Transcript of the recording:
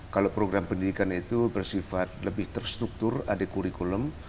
kalau program pendidikan itu bersifat lebih terstruktur ada kurikulum